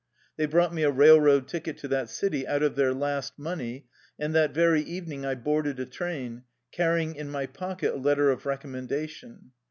They bought me a rail road ticket to that city out of their last money, and that very evening I boarded a train, carrying in my pocket a letter of recommendation.